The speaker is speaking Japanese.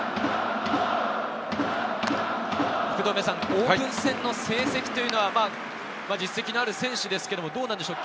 オープン戦の成績というのは、実績のある選手ですけど、どうなんでしょう。